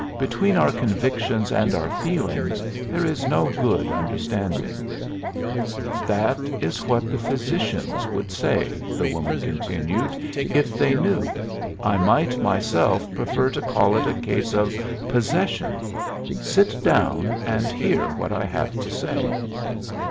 Between our convictions and our feelings there is no good understanding. "That is what the physicians would say," the woman continued "if they knew. I might myself prefer to call it a case of 'possession.' Sit down and hear what I have to say."